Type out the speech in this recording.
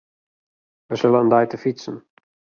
Wy sille in dei te fytsen.